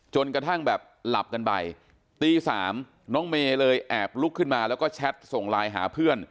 จนกระทั่งแบบหลับกันไปตี๓น้องเมย์เลยแอบลุกขึ้นมาแล้วก็แชทส่งไลน์หาเพื่อน